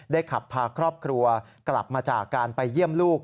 ขับพาครอบครัวกลับมาจากการไปเยี่ยมลูก